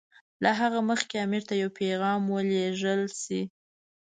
له هغه مخکې امیر ته یو پیغام ولېږل شي.